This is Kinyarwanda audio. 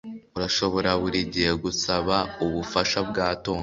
Urashobora buri gihe gusaba ubufasha bwa Tom